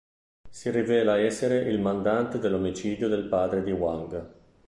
Si rivela essere il mandante dell'omicidio del padre di Huang.